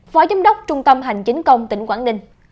phó giám đốc trung tâm hành chính công tỉnh quảng ninh